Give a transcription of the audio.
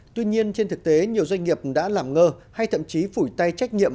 tuy nhiên trên thực tế nhiều doanh nghiệp đã làm ngơ hay thậm chí phủi tay trách nhiệm